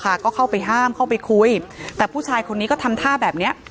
ก็เข้าไปห้ามเข้าไปคุยแต่ผู้ชายคนนี้ก็ทำท่าแบบเนี้ย